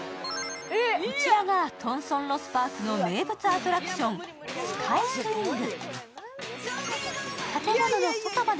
こちらがトンソンロスパークの名物アトラクション、スカイスイング。